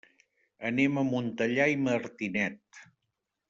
Anem a Montellà i Martinet.